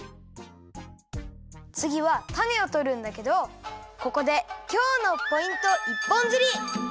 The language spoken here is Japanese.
つぎはたねをとるんだけどここで今日のポイント一本釣り！